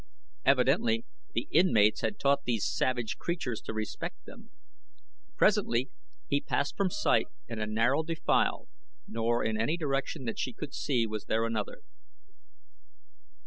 Evidently the inmates had taught these savage creatures to respect them. Presently he passed from sight in a narrow defile, nor in any direction that she could see was there another.